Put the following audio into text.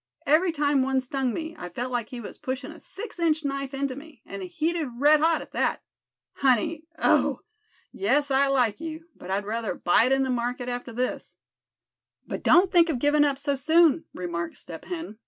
Every time one stung me, I felt like he was pushing a six inch knife into me, and heated red hot at that. Honey, oh! yes, I like you; but I'd rather buy it in the market after this." "But don't think of giving up so soon," remarked Step Hen.